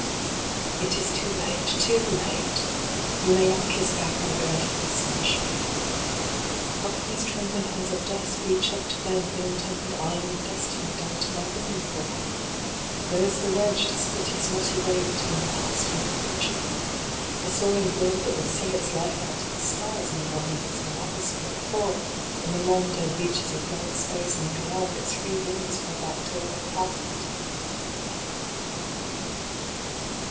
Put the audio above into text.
II. It is too late, too late ! You may not kiss back my breath to the sunshine. 109 no DYING. How can these trembling hands of dust reach up to bend the untempered iron of Destiny down to my woman forehead ? Where is the wedge to split its knotty way between the Past and the Future ? The soaring bird that would sing its life out to the stars, may not leave its own atmosphere ; For, in the long dead reaches of blank space in the Beyond, its free wings fall back to earth baffled.